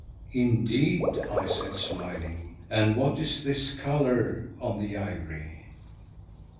"Indeed," I said, smiling, "and what is this colour on the ivory?"